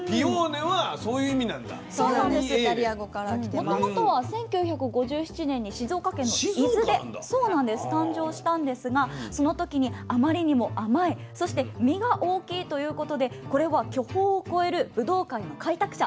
もともとは１９５７年に静岡県の伊豆で誕生したんですがその時にあまりにも甘いそして実が大きいということでこれは巨峰を超えるぶどう界の開拓者。